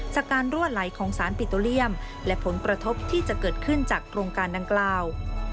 การรั่วไหลของสารปิโตเลียมและผลกระทบที่จะเกิดขึ้นจากโครงการดังกล่าว